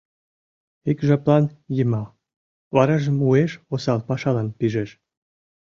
Ик жаплан йыма, варажым уэш осал пашалан пижеш.